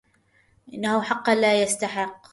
إنه حقاً لا يستحق